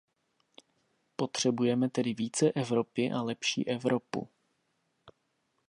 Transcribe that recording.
Potřebujeme tedy více Evropy a lepší Evropu.